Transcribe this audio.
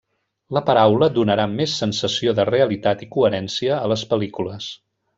La paraula donarà més sensació de realitat i coherència a les pel·lícules.